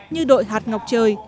như đội hạt ngọc trời